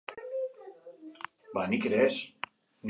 Alde nagusia trenen edukiera izango da.